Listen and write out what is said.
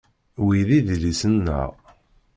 Wi d idlisen-nneɣ.